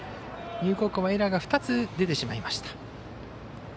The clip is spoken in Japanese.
丹生高校はエラーが２つ出てしまいました。